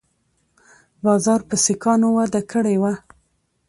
بازار په سیکانو وده کړې وه